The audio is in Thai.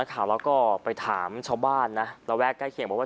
ข่าวแล้วก็ไปถามชาวบ้านนะระแวกใกล้เคียงบอกว่า